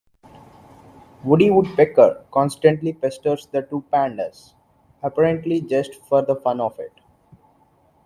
Woody Woodpecker constantly pesters the two pandas, apparently just for the fun of it.